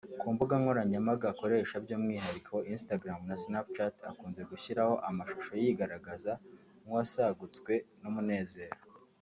ku mbuga nkoranyambaga akoresha by’umwihariko Instagram na Snapchat akunze gushyiraho amashusho yigaragaza nk’uwasagutswe n’umunezero